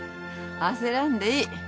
焦らんでいい。